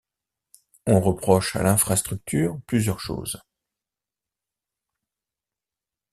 On reproche à l'infrastructure plusieurs choses.